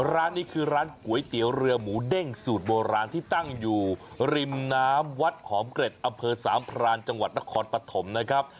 ร้านนี้คือร้านก๋วยเตี๋ยวเรือหมูเด้งสูตรโบราณที่ตั้งอยู่ริมน้ำวัดหอมเกร็ดอำเภอสามพรานจังหวัดนครปฐมนะครับ